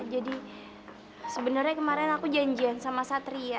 jadi sebenarnya kemarin aku janjian sama satria